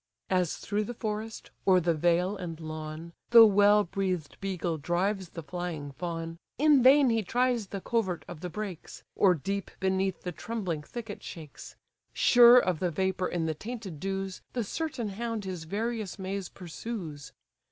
As through the forest, o'er the vale and lawn, The well breath'd beagle drives the flying fawn, In vain he tries the covert of the brakes, Or deep beneath the trembling thicket shakes; Sure of the vapour in the tainted dews, The certain hound his various maze pursues.